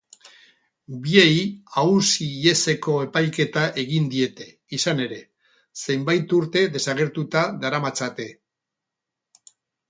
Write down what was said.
Biei auzi-iheseko epaiketa egin diete, izan ere, zenbait urte desagertuta daramatzate.